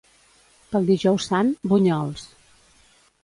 Pel Dijous Sant, bunyols.